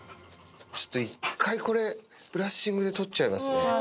ちょっと、１回、これブラッシングで取っちゃいますね。